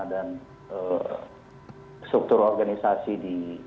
dan struktur organisasi ya